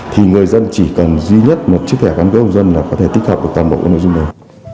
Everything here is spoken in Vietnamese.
thì người dân chỉ cần duy nhất một chiếc thẻ căn cước công dân là có thể tích hợp được toàn bộ nội dung đó